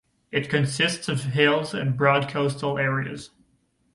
It consists of hills and broad coastal areas.